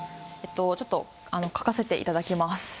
ちょっと描かせていただきます。